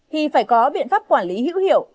thì phải có biện pháp quản lý hữu hiệu